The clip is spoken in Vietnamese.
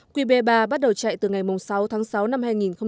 qb ba bắt đầu chạy từ ngày sáu tháng sáu năm hai nghìn một mươi tám